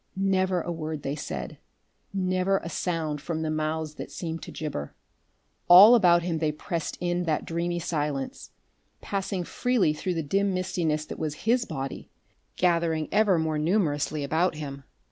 Never a word they said, never a sound from the mouths that seemed to gibber. All about him they pressed in that dreamy silence, passing freely through the dim mistiness that was his body, gathering ever more numerously about him.